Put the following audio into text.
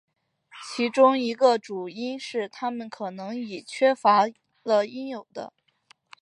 其中一个主因是它们可能已缺乏了应有的。